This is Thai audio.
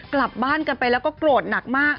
กลับบ้านกันไปแล้วก็โกรธหนักมาก